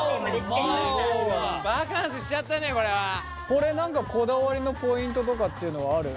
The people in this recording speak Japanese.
これ何かこだわりのポイントとかっていうのはある？